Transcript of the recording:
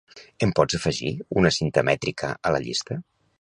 Em pots afegir una cinta mètrica a la llista?